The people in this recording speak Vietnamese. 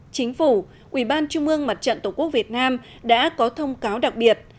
chính phủ ubnd tổ quốc việt nam đã có thông cáo đặc biệt